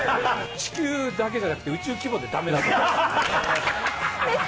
地球だけじゃなくて、宇宙規模でだめだと。